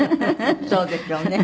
そうでしょうね。